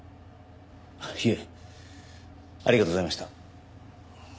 いえありがとうございました。